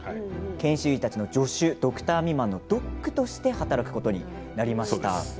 研修医たちの助手ドクター未満のＤＯＣとして働くことになります。